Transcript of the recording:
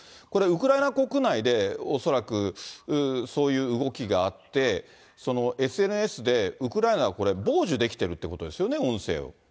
ウクライナ国内で恐らくそういう動きがあって、ＳＮＳでウクライナはこれ、傍受できているということですよね、音声を。